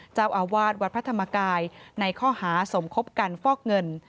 เจ้าอาวาสวัดพระธรรมกายในข้อหาสมคบกันฟอกเงิน